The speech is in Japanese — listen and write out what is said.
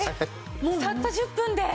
たった１０分で。